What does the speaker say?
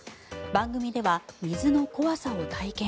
番組では水の怖さを体験。